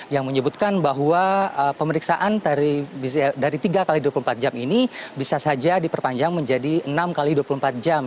yang menyebutkan bahwa pemeriksaan dari tiga x dua puluh empat jam ini bisa saja diperpanjang menjadi enam x dua puluh empat jam